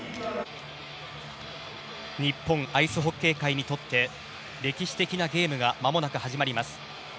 日本アイスホッケー界にとって歴史的なゲームがまもなく始まります。